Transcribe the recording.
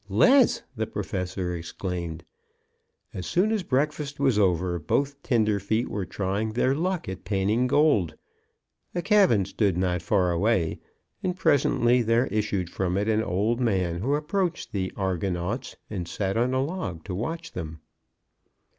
"Let's!" the Professor exclaimed. As soon as breakfast was over both tenderfeet were trying their luck at panning gold. A cabin stood not far away, and presently there issued from it an old man who approached the argonauts, and sat on a log to watch them.